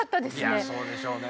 いやそうでしょうね。